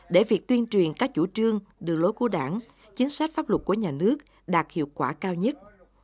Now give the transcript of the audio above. để việc tuyên truyền các chủ trương đường lối của đảng chính sách pháp luật của nhà nước đạt hiệu quả cao nhất